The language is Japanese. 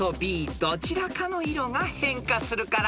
どちらかの色が変化するから。